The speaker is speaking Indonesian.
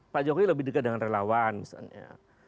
pak jokowi lebih dekat dengan relawan misalnya